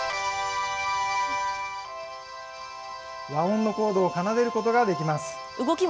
和音のコードを奏でることができます。